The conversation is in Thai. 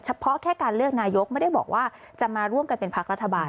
เพราะแค่การเลือกนายกไม่ได้บอกว่าจะมาร่วมกันเป็นพักรัฐบาล